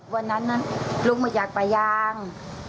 วันนั้นนั้นลูกมาจากปายลาง